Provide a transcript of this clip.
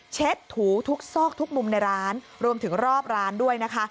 ถูทุกซอกทุกมุมในร้านรวมถึงรอบร้านด้วยนะคะ